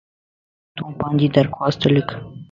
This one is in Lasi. تون پانجي درخواست لک